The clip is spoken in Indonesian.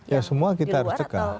ya semua kita harus cegah